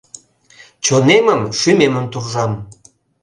Чонемым, шӱмемым туржам.